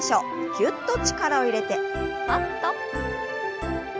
ぎゅっと力を入れてパッと。